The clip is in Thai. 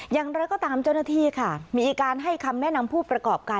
อย่างไรก็ตามเจ้าหน้าที่ค่ะมีการให้คำแนะนำผู้ประกอบการ